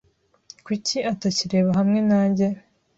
Kuki atakireba hamwe nanjye?